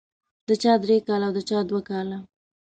د چا درې کاله او د چا دوه کاله.